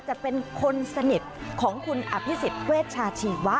จะเป็นคนสนิทของคุณอภิษฎเวชชาชีวะ